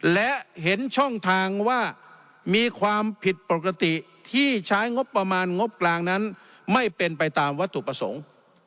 และเห็นช่องทางว่ามีความผิดปกติที่ใช้งบประมาณงบกลางนั้นไม่เป็นไปตามวัตถุประสงค์